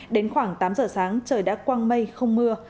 đến khoảng tám giờ sáng trời đã quang mây không mưa